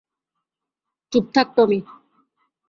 চুপ থাক, টমি!